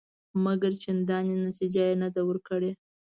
مګر چندانې نتیجه یې نه ده ورکړې.